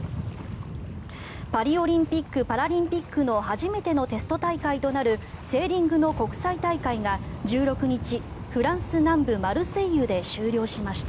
パリオリンピック・パラリンピックの初めてのテスト大会となるセーリングの国際大会が、１６日フランス南部マルセイユで終了しました。